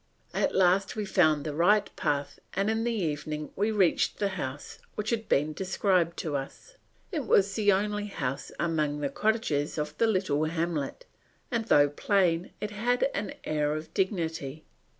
At last we found the right path and in the evening we reached the house, which had been described to us. It was the only house among the cottages of the little hamlet, and though plain it had an air of dignity.